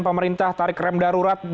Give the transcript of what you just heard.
pemerintah tarik rem darurat